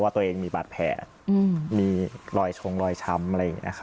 ตัวเองมีบาดแผลมีรอยชงรอยช้ำอะไรอย่างนี้